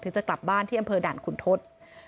จะกลับบ้านที่อำเภอด่านขุนทศ